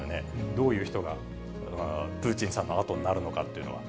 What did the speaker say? どういう人がプーチンさんのあとになるのかというのは。